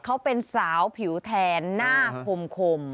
เขาเป็นสาวผิวแทนหน้าคม